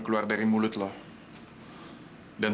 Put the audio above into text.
sekarang akhirnya gimana kamu